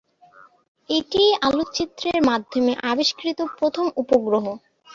এটিই আলোকচিত্রের মাধ্যমে আবিষ্কৃত প্রথম উপগ্রহ।